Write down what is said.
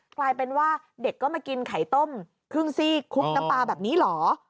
กลายเป็นว่าเด็กก็มากินไข่ต้มครึ่งซีกคลุกน้ำปลาแบบนี้เหรอ